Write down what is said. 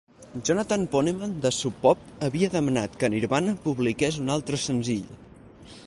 Jonathan Poneman de Sub Pop havia demanat que Nirvana publiqués un altre senzill.